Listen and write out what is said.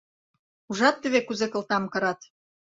Ужат теве, кузе кылтам кырат.